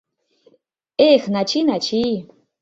— Эх, Начи, Начи!